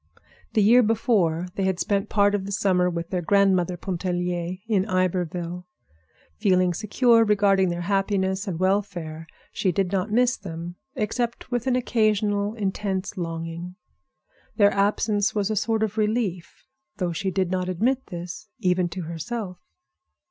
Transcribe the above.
The year before they had spent part of the summer with their grandmother Pontellier in Iberville. Feeling secure regarding their happiness and welfare, she did not miss them except with an occasional intense longing. Their absence was a sort of relief, though she did not admit this, even to herself.